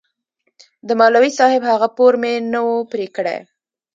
د مولوي صاحب هغه پور مې نه و پرې كړى.